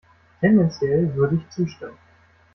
Tendenziell würde ich zustimmen.